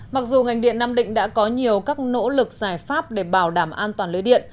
mặc dù ngành điện nam định đã có nhiều các nỗ lực giải pháp để bảo đảm an toàn lưới điện